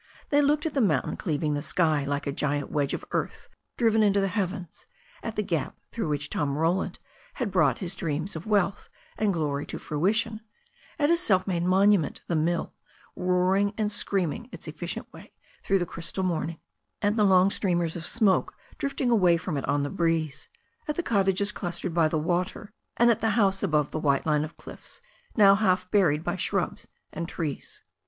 They looked at the mountain cleaving the sky like a giant wedge of earth driven into the heavens, at the gap through which Tom Roland had brought his dreams of wealth and glory to fruition, at his self made monument, the mill, roaring and screaming its efficient way through the crystal morning, at the long streamers of smoke drifting away from it on the breeze, at the cottages clustered by the water, and at the house above the white line of cliffs, now half buried by shrubs and trees.